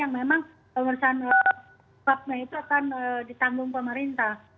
yang memang pemerintahan papme itu akan ditanggung pemerintah